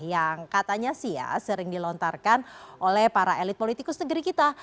yang katanya sih ya sering dilontarkan oleh para elit politikus negeri kita